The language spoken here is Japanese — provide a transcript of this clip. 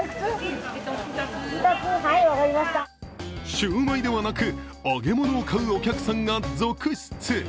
シューマイではなく、揚げ物を買うお客さんが続出。